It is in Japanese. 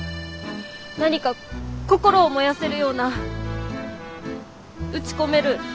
何か心を燃やせるような打ち込める